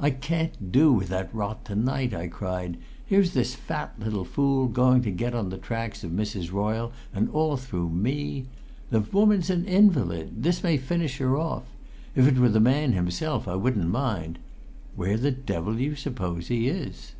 "I can't do with that rot to night!" I cried. "Here's this fat little fool going to get on the tracks of Mrs. Royle, and all through me! The woman's an invalid; this may finish her off. If it were the man himself I wouldn't mind. Where the devil do you suppose he is?"